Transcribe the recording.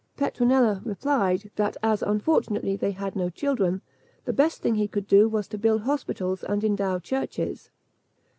Petronella replied, that as unfortunately they had no children, the best thing he could do, was to build hospitals and endow churches.